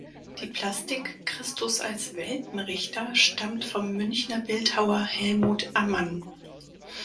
Die Plastik "Christus als Weltenrichter" stammt vom Münchner Bildhauer Helmut Ammann.